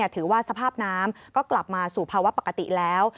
ถือว่าสภาพน้ำก็กลับมาสู่ภาวะปกติแล้ว